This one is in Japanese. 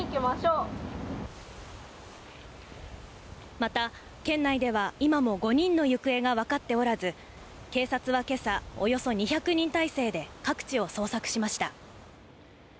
また県内では今も５人の行方がわかっておらず、警察は今朝およそ２００人態勢で各地を捜索しました。